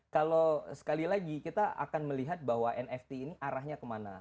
kalau sekali lagi kita akan melihat bahwa nft ini arahnya kemana